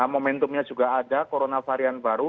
momentumnya juga ada corona varian baru